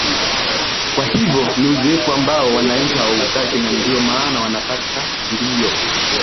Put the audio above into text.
kwa hivyo ni uzoefu ambao wananchi hawautaki na ndio maana wanataka ndio